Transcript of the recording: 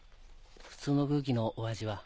普通の空気のお味は。